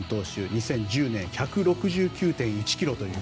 ２０１０年に１６９．１キロという。